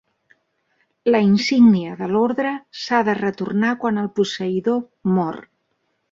La insígnia de l'Ordre s'ha de retornar quan el posseïdor mor.